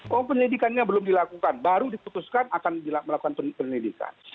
oh penyelidikannya belum dilakukan baru diputuskan akan dilakukan penyelidikan